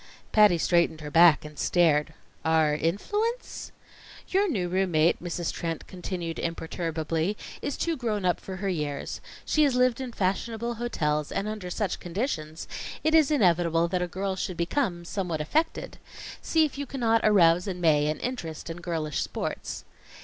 Patty straightened her back and stared. "Our influence?" "Your new room mate," Mrs. Trent continued imperturbably, "is too grown up for her years. She has lived in fashionable hotels, and under such conditions, it is inevitable that a girl should become somewhat affected. See if you cannot arouse in Mae an interest in girlish sports.